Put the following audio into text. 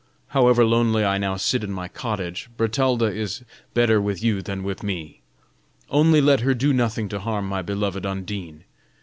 However lonely I now sit in my cottage, Bertalda is better with you than with me. Only let her do nothing to harm my beloved Undine!